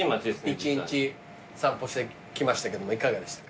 一日散歩してきましたけどもいかがでした？